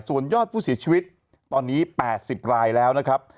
ส่วนยอดผู้เสียชีวิตตอนนี้๘๐รายแล้วนะครับ